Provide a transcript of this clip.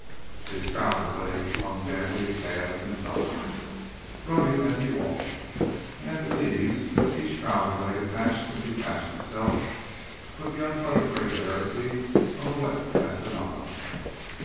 His trouser legs clung damply to calves and thighs, rubbing as he walked, and at the knees each trouser leg attached and detached itself with the unpleasant regularity of a wet bastinado.